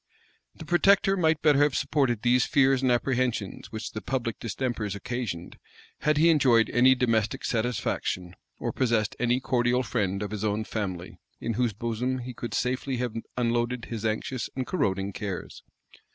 * Thurloe, voL vi. p. 53. The protector might better have supported those fears and apprehensions which the public distempers occasioned, had he enjoyed any domestic satisfaction, or possessed any cordial friend of his own family, in whose bosom he could safely have unloaded his anxious and corroding cares.